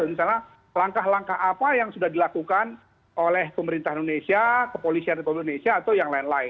misalnya langkah langkah apa yang sudah dilakukan oleh pemerintah indonesia kepolisian republik indonesia atau yang lain lain